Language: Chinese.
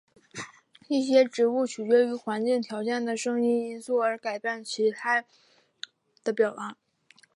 一些植物取决于环境条件的时间因素而改变其形态的表达。